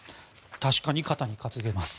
確かに肩に担げます。